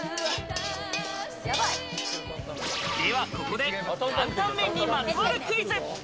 では、ここで担々麺にまつわるクイズ。